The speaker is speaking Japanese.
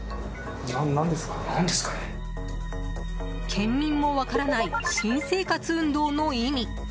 県民も分からない新生活運動の意味。